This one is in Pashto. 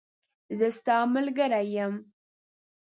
زه ستاملګری یم .